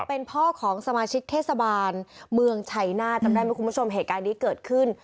เป็นพ่อของสมาชิกเทศบาลเมืองชัยนาธจำได้ไหมคุณผู้ชมเหตุการณ์นี้เกิดขึ้น